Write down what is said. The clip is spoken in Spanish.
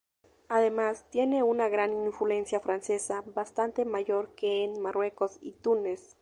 Además, tiene una gran influencia francesa, bastante mayor que en Marruecos y Túnez.